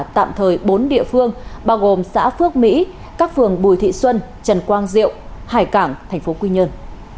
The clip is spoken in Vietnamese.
tạm thời bốn địa phương bao gồm xã phước mỹ các phường bùi thị xuân trần quang diệu hải cảng tp quy nhơn